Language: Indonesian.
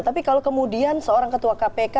tapi kalau kemudian seorang ketua kpk